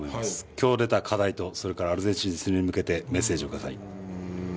今日、出た課題とそれからアルゼンチン戦に向けてメッセージをください。